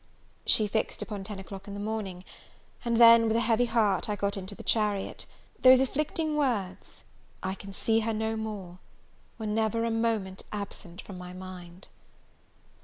She fixed upon ten o'clock in the morning; and then, with a heavy heart, I got into the chariot. Those afflicting words, I can see her no more! were never a moment absent from my mind.